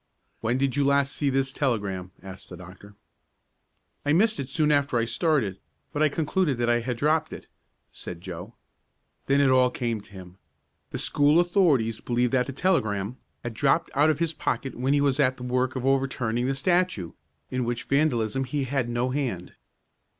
"When did you last see this telegram?" asked the doctor. "I missed it soon after I started, but I concluded that I had dropped it," said Joe. Then it all came to him. The school authorities believed that the telegram had dropped out of his pocket when he was at the work of overturning the statue, in which vandalism he had no hand.